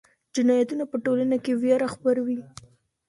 جنایتونه په ټولنه کې ویره خپروي.